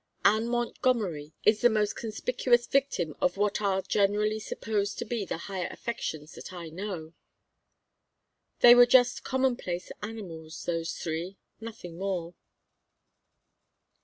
Anne Montgomery is the most conspicuous victim of what are generally supposed to be the higher affections that I know. They were just commonplace animals those three nothing more."